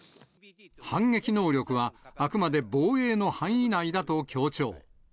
反撃能力は、あくまで防衛の範囲内だと強調。